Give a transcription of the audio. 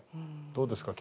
どうですか？